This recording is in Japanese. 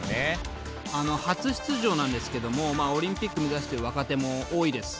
初出場なんですけどもオリンピック目指してる若手も多いです。